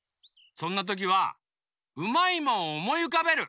そんなときはうまいもんをおもいうかべる。